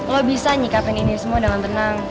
lo bisa nyikapin ini semua dengan tenang